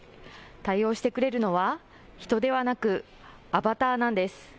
対応してくれるのは人ではなくアバターなんです。